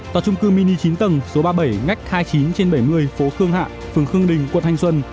tòa trung cư mini chín tầng số ba mươi bảy ngách hai mươi chín trên bảy mươi phố khương hạ phường khương đình quận thanh xuân